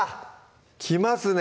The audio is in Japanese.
きますね